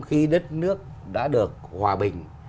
khi đất nước đã được hòa bình